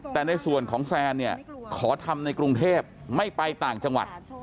แต่ในส่วนของแซนเนี่ยขอทำในกรุงเทพไม่ไปต่างจังหวัด